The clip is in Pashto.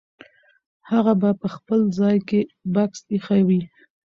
هغه به په خپل ځای کې بکس ایښی وي.